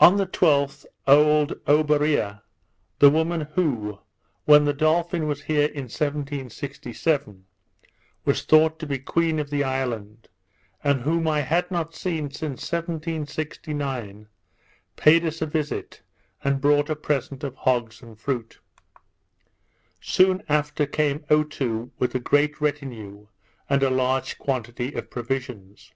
On the 12th, old Oberea, the woman who, when the Dolphin was here in 1767, was thought to be queen of the island, and whom I had not seen since 1769, paid us a visit, and brought a present of hogs and fruit. Soon after came Otoo, with a great retinue, and a large quantity of provisions.